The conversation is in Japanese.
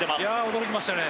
驚きましたね。